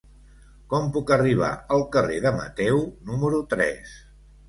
Com puc arribar al carrer de Mateu número tres?